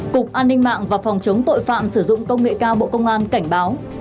cục an ninh mạng và phòng chống tội phạm sử dụng công nghệ cao bộ công an cảnh báo